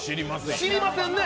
知りませんよね？